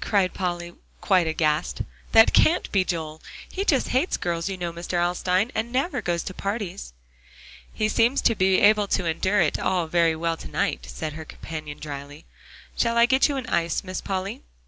cried Polly quite aghast, "that can't be Joel. He just hates girls, you know, Mr. Alstyne, and never goes to parties." "He seems to be able to endure it all very well to night," said her companion dryly. "Shall I get you an ice, Miss Polly?"